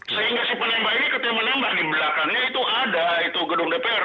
sehingga si penembak ini ketika menembak di belakangnya itu ada itu gedung dpr